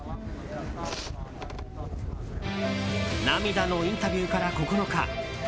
涙のインタビューから９日。